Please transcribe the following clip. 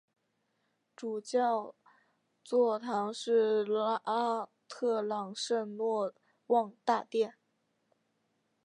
主教座堂是拉特朗圣若望大殿。